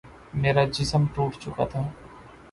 میرا جسم ٹوٹ چکا تھا